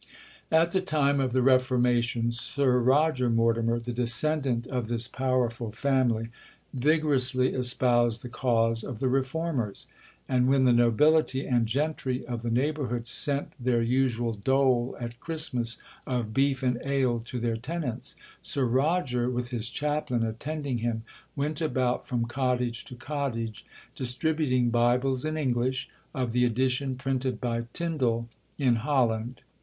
'At the time of the Reformation, Sir Roger Mortimer, the descendant of this powerful family, vigorously espoused the cause of the Reformers; and when the nobility and gentry of the neighbourhood sent their usual dole, at Christmas, of beef and ale to their tenants, Sir Roger, with his chaplain attending him, went about from cottage to cottage, distributing Bibles in English, of the edition printed by Tyndal in Holland.